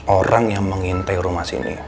orang yang mengintai rumah sini